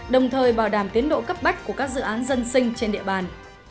đồng thời bảo đảm tiến độ cấp bách của các dự án dân sinh trên địa bàn